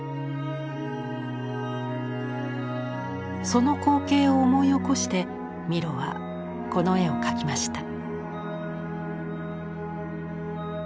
その光景を思い起こしてミロはこの絵を描きました。